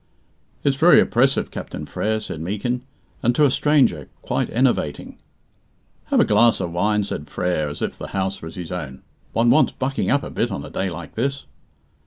"It's very oppressive, Captain Frere," said Meekin; "and to a stranger, quite enervating." "Have a glass of wine," said Frere, as if the house was his own. "One wants bucking up a bit on a day like this."